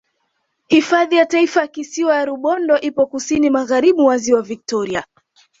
Hifadhi ya Taifa ya Kisiwa cha Rubondo ipo Kusini Magharibi mwa Ziwa Victoria